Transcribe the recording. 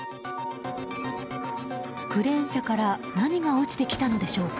クレーン車から何が落ちてきたのでしょうか。